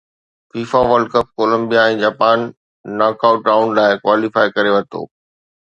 FIFA world cup Colombia ۽ Japan knockout round لاءِ qualify ڪري ورتو آهي